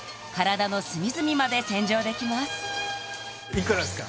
いくらですか？